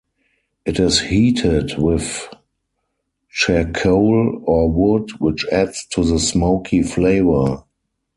It is heated with charcoal or wood which adds to the smoky flavour.